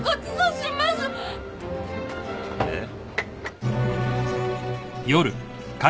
えっ？